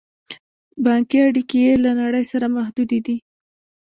بانکي اړیکې یې له نړۍ سره محدودې دي.